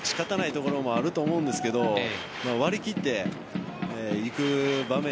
ところもあると思うんですが割り切っていく場面